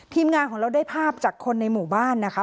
ทีมงานของเราได้ภาพจากคนในหมู่บ้านนะคะ